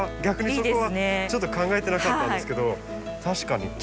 逆にそこはちょっと考えてなかったんですけど確かに。